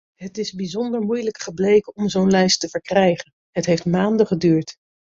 Het is bijzonder moeilijk gebleken om zo'n lijst te verkrijgen; het heeft maanden geduurd.